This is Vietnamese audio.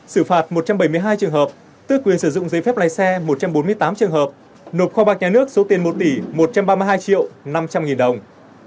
xử phạt một trăm bảy mươi hai trường hợp tước quyền sử dụng giấy phép lái xe một trăm bốn mươi tám trường hợp nộp kho bạc nhà nước số tiền một tỷ một trăm ba mươi hai triệu năm trăm linh nghìn đồng